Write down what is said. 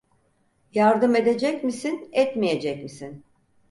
Yardım edecek misin, etmeyecek misin?